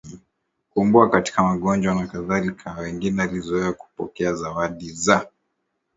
kuombewa katika magonjwa nk Wengine walizoea kupokea zawadi za